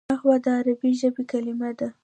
نحوه د عربي ژبي کلیمه ده.